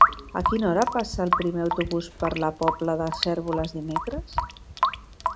A quina hora passa el primer autobús per la Pobla de Cérvoles dimecres?